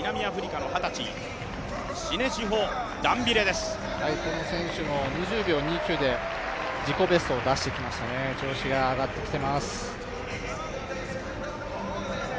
この選手も２０秒２９で自己ベストを出してきましたね調子が上がってきています。